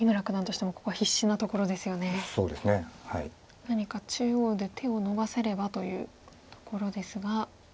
何か中央で手をのばせればというところですが。